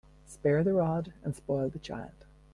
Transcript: Spare the rod and spoil the child.